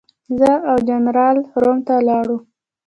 زه او جنرال روم ته ولاړو.